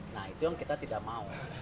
nah itu yang kita tidak mau